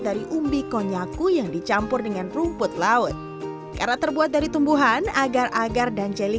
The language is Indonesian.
dari umbi konyaku yang dicampur dengan rumput laut karena terbuat dari tumbuhan agar agar dan jelly